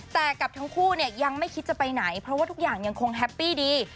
แต่กับทั้งคู่เนี่ยยังไม่คิดจะไปไหนเพราะว่าทุกอย่างยังคงแฮปปี้ดี